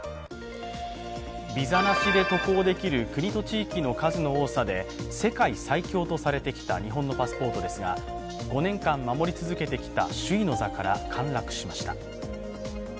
ビザなしで渡航できる国と地域の数の多さで世界最強とされてきた日本のパスポートですが５年間守り続けてきた首位の座から陥落しました。